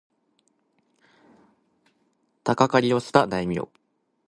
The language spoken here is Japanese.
鷹狩をした大名